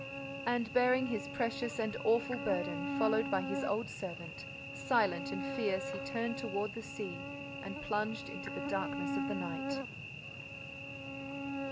And, bearing his precious and awful burden followed by his old servant, silent and fierce he turned toward the sea and plunged into the darkness of the night.